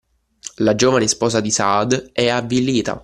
La giovane sposa di Saad è avvilita